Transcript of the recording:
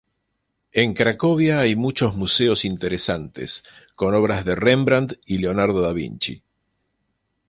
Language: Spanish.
En Cracovia, hay muchos museos interesantes, con obras de Rembrandt y Leonardo da Vinci.